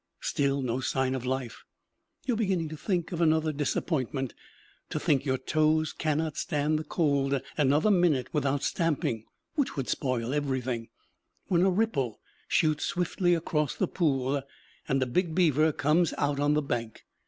Still no sign of life. You are beginning to think of another disappointment; to think your toes cannot stand the cold another minute without stamping, which would spoil everything, when a ripple shoots swiftly across the pool, and a big beaver comes out on the bank.